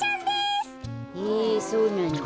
へえそうなんだ。